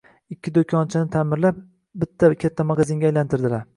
Ikkita do`konchani ta`mirlab, bitta katta magazinga aylantirdilar